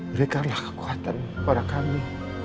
berikanlah kekuatan kepada kami